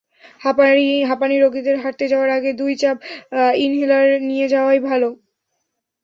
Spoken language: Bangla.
হাঁপানি রোগীদের হাঁটতে যাওয়ার আগে দুই চাপ ইনহেলার নিয়ে নেওয়াই ভালো।